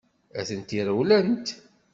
Atenti la rewwlent.